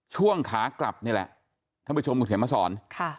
ช่วงขากลับนี่แหละท่านผู้ชมคุณเขียนมาสอน